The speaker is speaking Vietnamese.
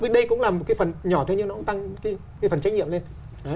đây cũng là một cái phần nhỏ thế nhưng nó cũng tăng cái phần trách nhiệm lên